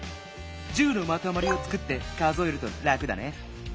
１０のまとまりをつくって数えるとラクだね。